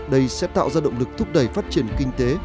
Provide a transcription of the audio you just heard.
đây sẽ tạo ra động lực thúc đẩy phát triển kinh tế